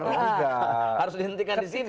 harus dihentikan disini